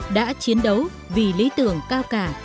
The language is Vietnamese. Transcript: đã chiến đấu vì lý tưởng cao cả